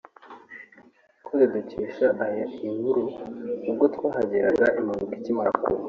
com dukesha aya iyi nkuru ubwo twahageraga impanuka ikimara kuba